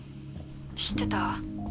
「知ってた？」